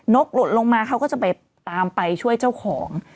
กหลุดลงมาเขาก็จะไปตามไปช่วยเจ้าของ